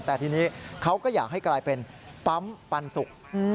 แต่ทีนี้เขาก็อยากให้กลายเป็นปั๊มปันสุก